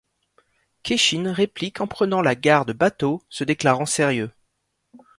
Kenshin réplique en prenant la garde battô, se déclarant sérieux.